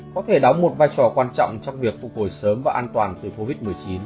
có thể đóng một vai trò quan trọng trong việc phục hồi sớm và an toàn từ covid một mươi chín